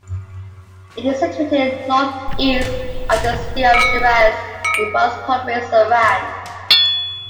It is situated northeast of the city of Shiraz in Fars Province, Iran.